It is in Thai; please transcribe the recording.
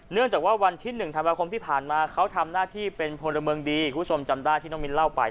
เนื่องจากว่าวันที่๑ธันวาคมที่ผ่านมาเขาทำหน้าที่เป็นพลเมืองดีคุณผู้ชมจำได้ที่น้องมิ้นเล่าไป